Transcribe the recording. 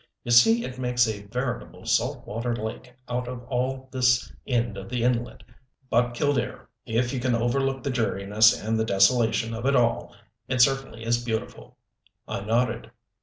You see it makes a veritable salt water lake out of all this end of the inlet. But Killdare if you can overlook the dreariness and the desolation of it all, it certainly is beautiful " I nodded.